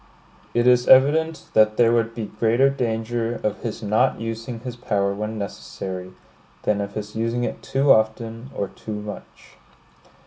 It is evident that there would be greater danger of his not using his power when necessary, than of his using it too often, or too much.